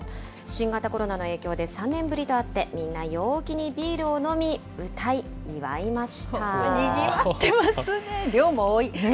新型コロナの影響で３年ぶりとあって、みんな陽気にビールを飲み、にぎわってますね。